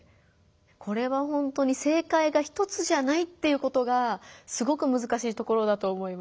これはほんとに正解が一つじゃないっていうことがすごくむずかしいところだと思います。